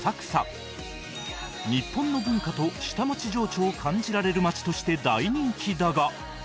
日本の文化と下町情緒を感じられる街として大人気だが